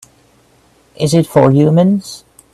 Is it for humans?